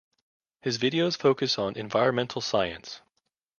His videos focus on environmental science.